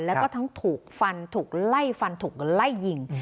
แล้วก็ทั้งถูกฟันถูกไล่ฟันถูกไล่ยิง